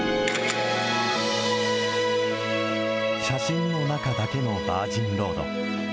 写真の中だけのバージンロード。